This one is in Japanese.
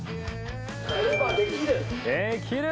やればできる！